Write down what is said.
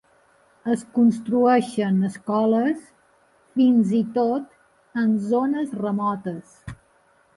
Es construeixen escoles fins i tot en zones remotes.